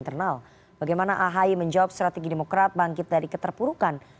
internal bagaimana ahi menjawab strategi demokrat bangkit dari keterpurukan